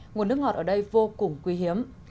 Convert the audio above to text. nguồn nước ngọt ở đây vô cùng quý hiếm